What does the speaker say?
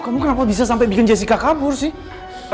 kamu kenapa bisa sampai bikin jessica kabur sih